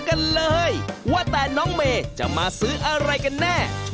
อ้าวนี่ว่าแต่ว่าเข้ามาเนี่ยต้องการอะไรจากพวกพี่